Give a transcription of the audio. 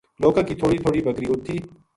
لوکاں کی تھوڑی تھوڑی بکری اُت تھی